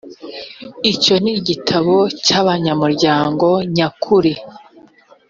icyo ni igitabo cy’abanyamuryango nyakuri